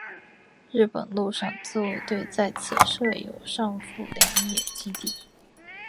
日本陆上自卫队在此设有上富良野基地。